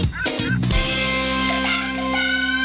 เพิ่มเวลา